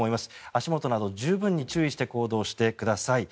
足元など十分に注意して行動してください。